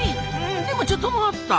でもちょっと待った！